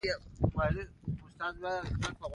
د ژبې د مهارتونو لوړول د فکري قوت د پراختیا لپاره اړین دي.